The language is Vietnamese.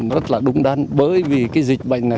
rất là đúng đắn bởi vì cái dịch bệnh này